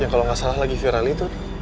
yang kalo gak salah lagi viral itu tuh